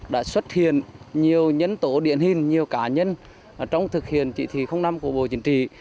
đã xuất hiện nhiều nhân tố điện hình nhiều cá nhân trong thực hiện chỉ thị năm của bộ chính trị